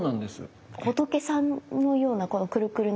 仏さんのようなこのくるくるの。